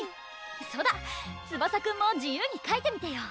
そだツバサくんも自由にかいてみてよ！